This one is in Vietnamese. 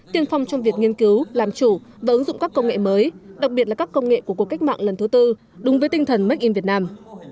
tiên phong trong việc nghiên cứu làm chủ và ứng dụng các công nghệ mới đặc biệt là các công nghệ của cuộc cách mạng lần thứ tư đúng với tinh thần make in việt nam